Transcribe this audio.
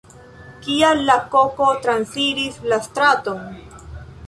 Kial la koko transiris la straton?